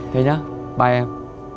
thế nhá bye em